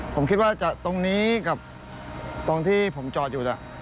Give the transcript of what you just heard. ผมคิดว่าจะตรงนี้กับตรงที่ผมจอดอยู่